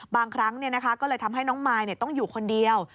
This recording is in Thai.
บางครั้งก็เลยทำให้น้องมายต้องอยู่คนเดียว